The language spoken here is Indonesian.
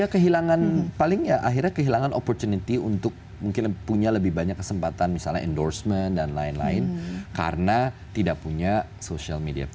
kehilangan paling ya akhirnya kehilangan opportunity untuk mungkin punya lebih banyak kesempatan misalnya endorsement dan lain lain karena tidak punya social media